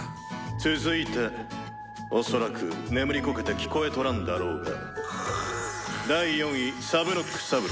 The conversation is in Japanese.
「続いて恐らく眠りこけて聞こえとらんだろうが第４位サブノック・サブロ。